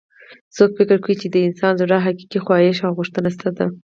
څوک فکر کوي چې د انسان د زړه حقیقي خواهش او غوښتنه څه ده